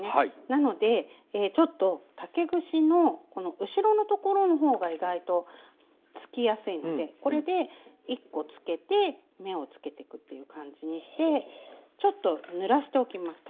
なのでちょっと竹串のこの後ろのところの方が意外とつきやすいのでこれで１コつけて目をつけてくっていう感じにしてちょっとぬらしておきます